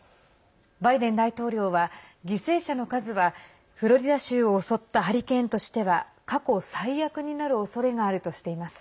バイデン大統領は、犠牲者の数はフロリダ州を襲ったハリケーンとしては過去最悪になるおそれがあるとしています。